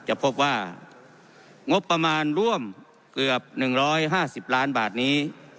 จะพบว่างบประมาณร่วมเกือบหนึ่งร้อยห้าสิบล้านบาทนี้